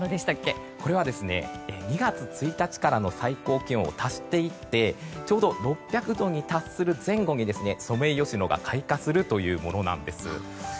これは２月１日からの最高気温を足していってちょうど６００度に達する前後にソメイヨシノが開花するというものなんです。